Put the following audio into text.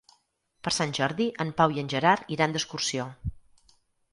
Per Sant Jordi en Pau i en Gerard iran d'excursió.